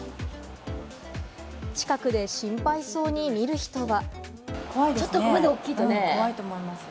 近くで心配そうに見る人は。